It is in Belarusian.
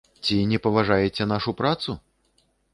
Ці не паважаеце нашу працу?